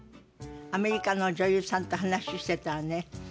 アメリカの女優さんと話してたらね